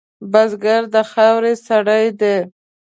بزګر د خاورې سړی دی